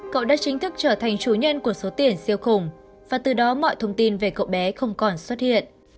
cậu đã chính thức trở thành chủ nhân của số tiền siêu khủng và từ đó mọi thông tin về cậu bé không còn xuất hiện